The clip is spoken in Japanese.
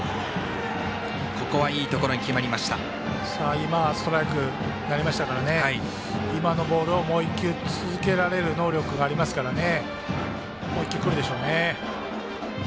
今、ストライクになりましたから今のボールをもう一球続けられる能力がありますからね。